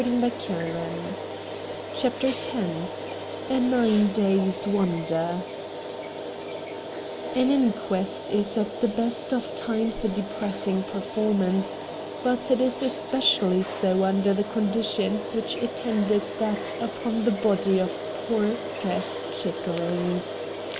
198 RED DIAMONDS CHAPTEE X A NINE days' wonder An inquest is at the best of times a depressing performance, but it is especially so under the conditions which attended that upon the body of poor Seth Chickering.